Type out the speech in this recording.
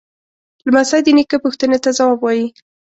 لمسی د نیکه پوښتنې ته ځواب وايي.